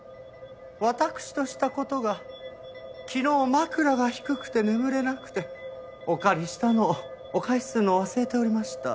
わたくしとした事が昨日枕が低くて眠れなくてお借りしたのをお返しするのを忘れておりました。